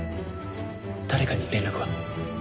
誰かに連絡は？